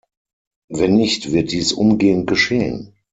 Wenn nicht, wird dies umgehend geschehen.